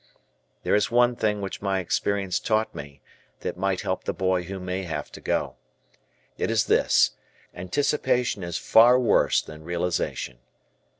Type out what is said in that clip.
There is one thing which my experience taught me that might help the boy who may have to go. It is this anticipation is far worse than realization.